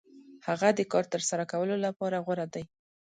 هغه د هر کار ترسره کولو لپاره غوره دی.